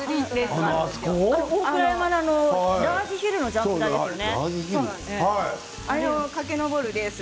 大倉山のラージヒルのジャンプ台ですね。